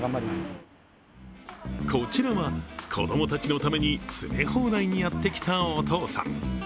こちらは子供たちのために詰め放題にやってきたお父さん。